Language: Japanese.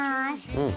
うん。